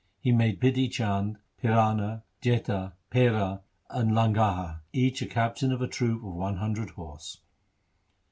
He made Bidhi Chand, Pirana, Jetha, Paira, and Langaha, each a captain of a troop of one hundred horse.